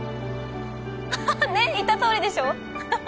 ははっねっ言ったとおりでしょ？